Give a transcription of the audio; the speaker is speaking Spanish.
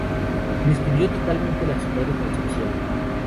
Destruyó totalmente la ciudad de Concepción.